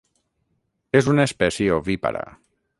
És una espècie ovípara.